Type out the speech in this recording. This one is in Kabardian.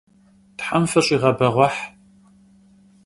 Them fış'iğebeğueh!